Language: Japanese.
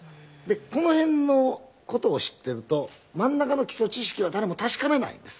この辺の事を知っていると真ん中の基礎知識は誰も確かめないんです。